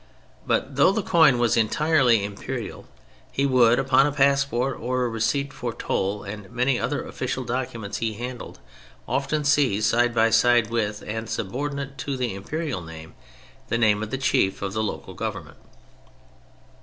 But though the coinage was entirely imperial, he would, upon a passport or a receipt for toll and many another official document he handled, often see side by side with and subordinate to the imperial name, the name of the chief of the local government.